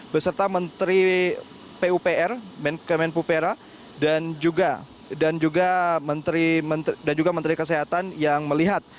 beserta menteri pupr kemenpora dan juga menteri kesehatan yang melihat